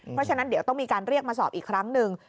เพราะฉะนั้นเดี๋ยวต้องมีการเรียกมาสอบอีกครั้งหนึ่ง